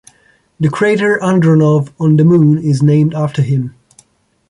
The crater Andronov on the Moon is named after him.